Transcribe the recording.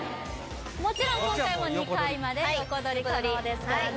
もちろん今回も２回まで横取り可能ですからね